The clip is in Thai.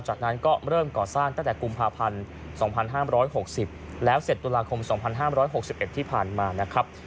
จากนั้นก็เริ่มก่อสร้างตั้งแต่กุมภาพันธุ์สองพันห้ามร้อยหกสิบแล้วเสร็จตุลาคมสองพันห้ามร้อยหกสิบเอ็ดที่ผ่านมานะครับ